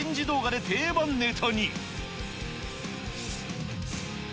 動画で定番ネタに。